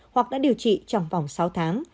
hoặc đã điều trị trong vòng sáu tháng